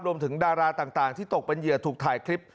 ดาราต่างที่ตกเป็นเหยื่อถูกถ่ายคลิป